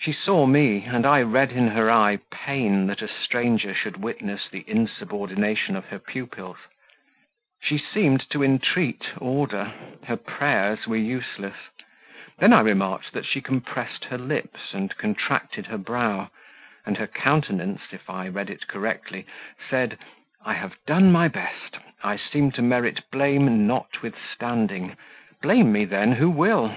She saw me, and I read in her eye pain that a stranger should witness the insubordination of her pupils; she seemed to entreat order her prayers were useless; then I remarked that she compressed her lips and contracted her brow; and her countenance, if I read it correctly, said "I have done my best; I seem to merit blame notwithstanding; blame me then who will."